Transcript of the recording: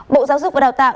bộ giáo dục và đào tạo